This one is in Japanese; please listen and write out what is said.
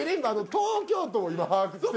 東京都を今把握してるから。